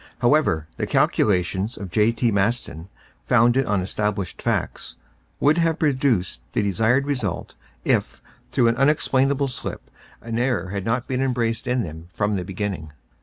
However, the calculations of J.T. Maston, founded on established facts, would have produced the desired result if through an unexplainable slip an error had not been embraced in them from the beginning.